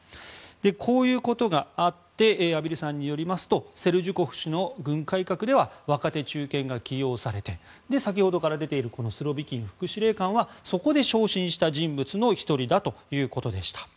こういうことがあって畔蒜さんによりますとセルジュコフ氏の軍改革では若手・中堅が起用されて先ほどから出ているスロビキン副司令官はそこで昇進した人物の１人だということでした。